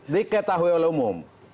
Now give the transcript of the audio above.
di ketahuiwala umum